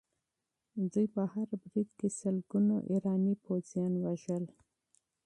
دوی په هره حمله کې سلګونه ایراني پوځیان وژل.